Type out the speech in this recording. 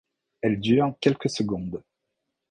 Elles durent quelques secondes.